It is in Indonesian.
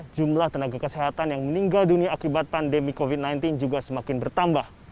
jumlah tenaga kesehatan yang meninggal dunia akibat pandemi covid sembilan belas juga semakin bertambah